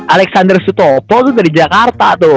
alexander sutopo tuh dari jakarta tuh